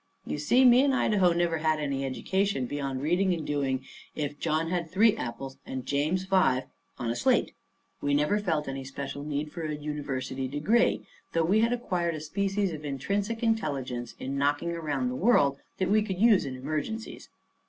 You see me and Idaho never had any education beyond reading and doing "if John had three apples and James five" on a slate. We never felt any special need for a university degree, though we had acquired a species of intrinsic intelligence in knocking around the world that we could use in emergencies.